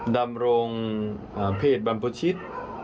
ดำรงเพศบรรพชิต